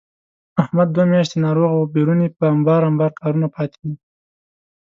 احمد دوه میاشتې ناروغه و، بېرون یې په امبار امبار کارونه پاتې دي.